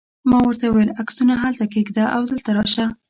ما ورته وویل: عکسونه هلته کښېږده او دلته راشه.